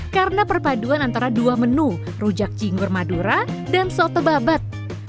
karena perpaduan antara dua menu rujak jinggur madura dan soto babat